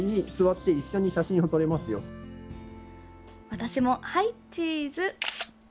私も、はいチーズ！